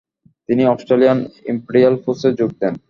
তিনি Australian imperial ফোর্সে যোগ দেন।